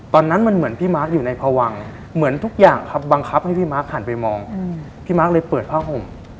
ตอนนั้นมันเหมือนพี่มาร์คอยู่ในพวังเหมือนทุกอย่างครับบังคับให้พี่มาร์คหันไปมองพี่มาร์คเลยเปิดผ้าห่ม